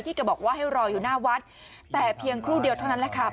แกบอกว่าให้รออยู่หน้าวัดแต่เพียงครู่เดียวเท่านั้นแหละค่ะ